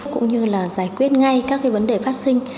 cũng như là giải quyết ngay các cái vấn đề phát sinh